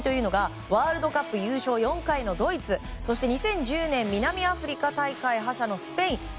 ワールドカップ優勝４回のドイツそして２０１０年南アフリカ大会覇者のスペイン。